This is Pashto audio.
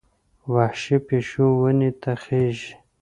وحشي پیشو ونې ته خېژي.